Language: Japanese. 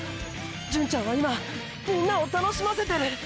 純ちゃんは今みんなを楽しませてる！！